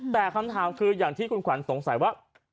แต่คำถามคืออย่างที่คุณขวัญสงสัยว่า